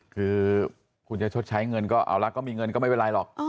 คือคุณจะชดใช้เงินก็เอาละก็มีเงินก็ไม่เป็นไรหรอก